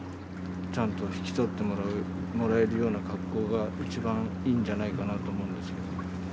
ちゃんと引き取ってもらえるような格好が、一番いいんじゃないか